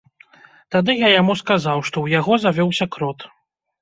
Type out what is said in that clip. Тады я яму сказаў, што ў яго завёўся крот.